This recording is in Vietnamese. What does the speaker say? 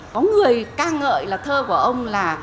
có người ca ngợi là thơ của ống là